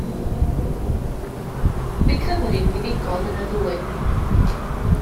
Bu Cymru'n fuddugol yn y ddwy.